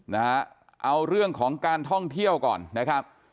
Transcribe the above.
นะฮะเอาเรื่องของการท่องเที่ยวก่อนนะครับ